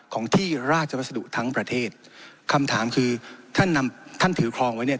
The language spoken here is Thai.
ของที่ราชวัสดุทั้งประเทศคำถามคือท่านนำท่านถือครองไว้เนี่ย